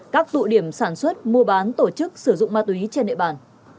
các tụ điểm sản xuất mua bán tổ chức sử dụng ma túy trên địa bàn